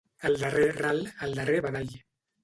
Al darrer ral, el darrer badall.